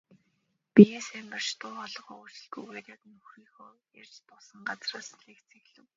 Биеэ сайн барьж, дуу хоолойгоо өөрчлөлгүйгээр яг нөхрийнхөө ярьж дууссан газраас лекцээ эхлэв.